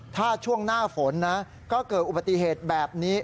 ถ้าช่วงหน้าฝนนะก็เกิดอุบัติเหตุแบบนี้